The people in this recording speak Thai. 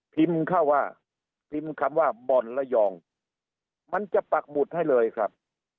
พิมพ์เข้าว่าพิมพ์คำว่าบ่อนระยองมันจะปักหมุดให้เลยครับ